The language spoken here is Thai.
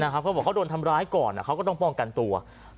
เข้าบอกเธอโดนทำร้ายก่อนเขาก็ต้องอีกตัว